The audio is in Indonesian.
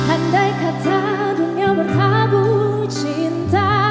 andai kata dunia bertabu cinta